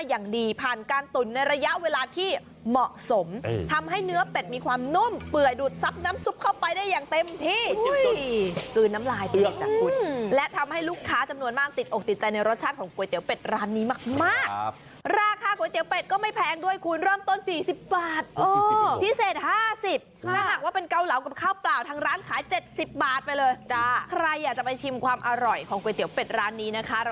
ให้อย่างเต็มที่โอ้ยคืนน้ำลายจากกุญและทำให้ลูกค้าจำนวนมากติดอกติดใจในรสชาติของก๋วยเตี๋ยวเป็ดร้านนี้มากมากครับราคาก๋วยเตี๋ยวเป็ดก็ไม่แพงด้วยคุณร่วมต้นสี่สิบบาทอ๋อพิเศษห้าสิบค่ะและหากว่าเป็นเกาเหลากับข้าวเปล่าทั้งร้านขายเจ็ดสิบบาทไปเลยได้ใครอ่